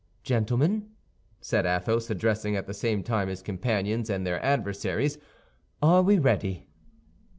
"Gentlemen," said Athos, addressing at the same time his companions and their adversaries, "are we ready?"